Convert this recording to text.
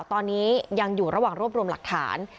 ตอนนี้ยังอยู่ระหว่างรวบรวมหลักฐาน